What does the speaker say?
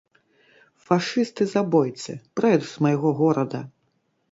Фашысты-забойцы, прэч з майго горада!